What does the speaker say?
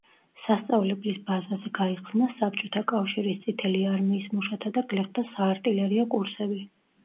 სასწავლებლის ბაზაზე გაიხსნა საბჭოთა კავშირის წითელი არმიის მუშათა და გლეხთა საარტილერიო კურსები.